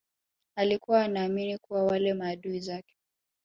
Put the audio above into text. alikuwa anaamini kuwa wale maadui zake